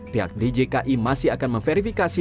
pihak djki masih akan memverifikasi